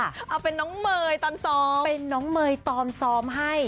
เอาเป็นน้องเมย์ตอนซ้อมเป็นน้องเมย์ตอมซ้อมให้